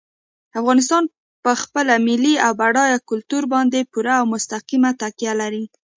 افغانستان په خپل ملي او بډایه کلتور باندې پوره او مستقیمه تکیه لري.